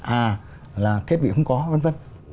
à là thiết bị không có v v